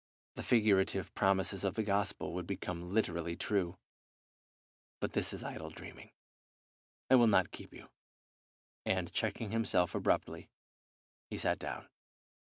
The figurative promises of the Gospel would become literally true. But this is idle dreaming. I will not keep you," and, checking himself abruptly, he sat down.